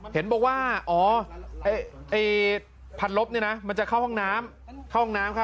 เห็นบอกว่าอ๋อไอ้พันลบเนี่ยนะมันจะเข้าห้องน้ำ